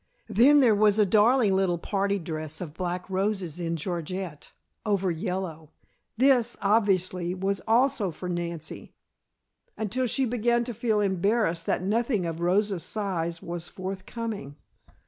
Then there was a darling little party dress of black roses in georgette, over yellow. This, obviously, was also for Nancy, until she began to feel embarrassed that nothing of Rosa's size was forthcoming.